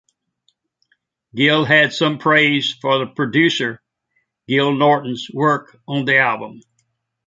Gill had some praise for producer Gil Norton's work on the album.